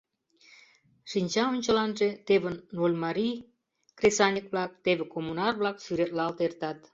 Шинча ончыланже теве Нольмарий кресаньык-влак, теве коммунар-влак сӱретлалт эртат.